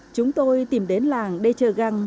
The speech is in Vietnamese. chúng tôi tìm đến làng de chagang